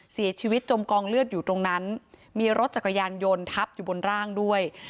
จมกองเลือดอยู่ตรงนั้นมีรถจักรยานยนต์ทับอยู่บนร่างด้วย